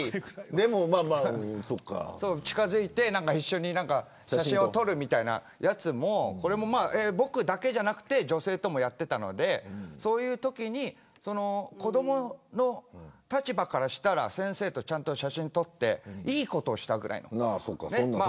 近付いて一緒に写真を撮るみたいなやつも僕だけじゃなくて女性ともやっていたのでそういうときに子どもの立場からしたら先生とちゃんと写真を撮っていいことをしたぐらいの。